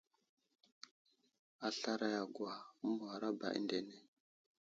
A slaray a gwa, məwara ba əndene.